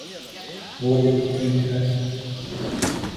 وہ لکھتی ہیں